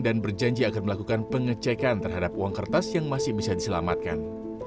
dan berjanji akan melakukan pengecekan terhadap uang kertas yang masih bisa diselamatkan